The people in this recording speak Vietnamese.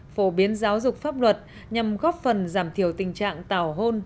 phổ biến giáo dục pháp luật nhằm góp phần giảm thiểu tình trạng tảo hôn